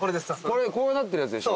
こうなってるやつでしょ？